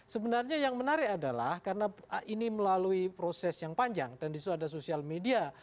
sebenarnya yang menarik adalah karena ini melalui proses yang panjang dan disitu ada sosial media